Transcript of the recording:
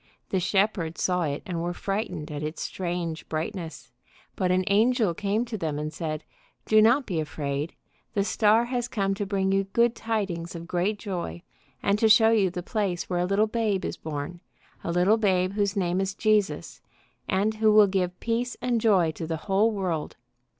The shepherds saw it and were frightened at its strange brightness; but an angel came to them and said: "Do not be afraid; the star has come to bring you good, tidings of great joy, and to show you the place where a little babe is born, a little babe whose name is Jesus, and who will give peace and joy to the whole world."